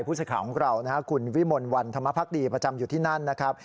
พูดสินค้าของเราคุณวิมนต์วันนธรรมภกดีประจำอยู่ที่นั้นนะครับ